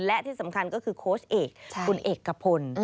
และที่สำคัญก็คือโค้ชเอกคุณเอกพล